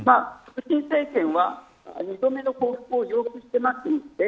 プーチン政権は２度目の降伏を要求しています。